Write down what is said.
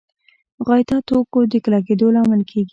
غایطه توکو د کلکېدو لامل کېږي.